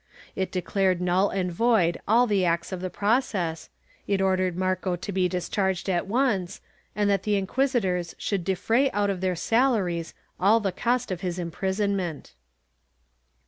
It declared null and void all the acts of the process, it ordered Marco to be discharged at once, and that the inquisitors should defray out of their salaries all the cost of his imprisonment.